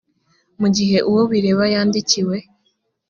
igihe uwo bireba yandikiwe